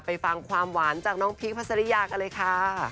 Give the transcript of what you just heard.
ฟังความหวานจากน้องพีคพัสริยากันเลยค่ะ